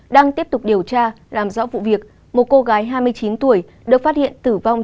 đang tiếp tục điều tra làm rõ vụ việc một cô gái hai mươi chín tuổi được phát hiện tử vong